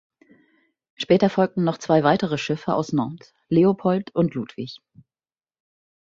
Später folgten noch zwei weitere Schiffe aus Nantes: "Leopold" und "Ludwig".